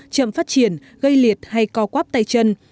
chậm phát triển gây liệt hay co quáp tay chân